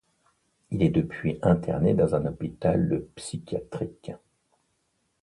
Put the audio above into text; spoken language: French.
Il est depuis interné dans un hôpital psychiatrique.